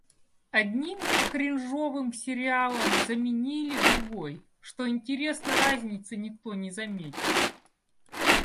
Одним кринжовым сериалом заменили другой. Что интересно, разницы никто не заметил.